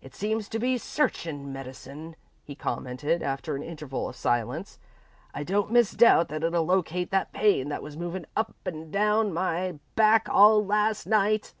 "It seems to be a searchin' medicine," he commented, after an interval of silence. "I don't misdoubt that it'll locate that pain that was movin' up and down my back all night last night."